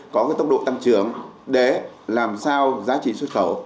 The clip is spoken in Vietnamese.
có tốc độ tăng trưởng để làm sao giá trị xuất khẩu